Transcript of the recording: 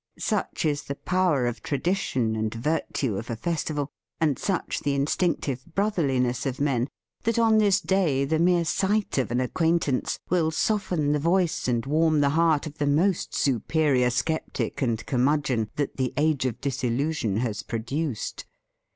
Such is the power of tradi tion and virtue of a festival, and such the instinctive brotherliness of men, that on this day the mere sight of an THE FEAST OF ST FRIEND acquaintance will soften the voice and warm the heart of the most superior sceptic and curmudgeon that the age of disillusion has produced.